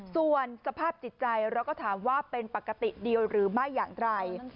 ส่วนสภาพจิตใจเราก็ถามว่าเป็นปกติเดียวหรือไม่อย่างไร